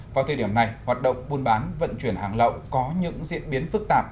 vào thời điểm này hoạt động buôn bán vận chuyển hàng lậu có những diễn biến phức tạp